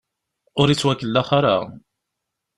Ur ittwakellax ara.